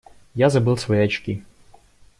Я забыл свои очки.